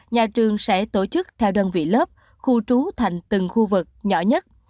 nhà trường sẽ tổ chức theo đơn vị lớp khu trú thành từng khu vực nhỏ nhất